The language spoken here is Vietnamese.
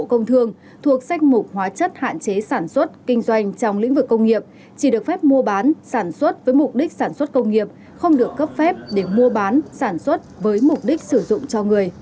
bộ công thương thuộc danh mục hóa chất hạn chế sản xuất kinh doanh trong lĩnh vực công nghiệp chỉ được phép mua bán sản xuất với mục đích sản xuất công nghiệp không được cấp phép để mua bán sản xuất với mục đích sử dụng cho người